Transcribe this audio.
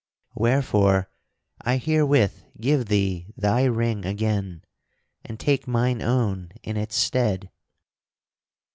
Wherefore I herewith give thee thy ring again and take mine own in its stead."